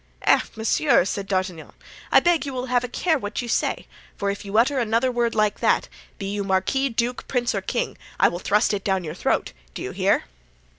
"Eh! monsieur!" said D'Artagnan, "I beg you will have a care what you say; for if you utter another word like that, be you marquis, duke, prince or king, I will thrust it down your throat! do you hear?"